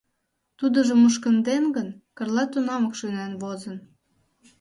Тудыжо мушкынден гын, Карла тунамак шуйнен возын.